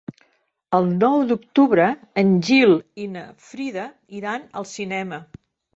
El nou d'octubre en Gil i na Frida iran al cinema.